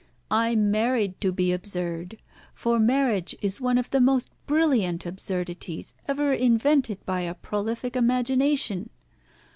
I married to be absurd; for marriage is one of the most brilliant absurdities ever invented by a prolific imagination.